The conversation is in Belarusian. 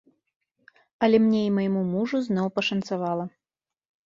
Але мне і майму мужу зноў пашанцавала.